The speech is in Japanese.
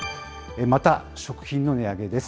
また、食品の値上げです。